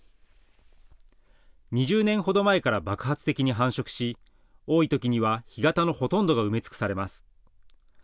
２０年ほど前から爆発的に繁殖し多いときには干潟のほとんどが埋め尽くされます。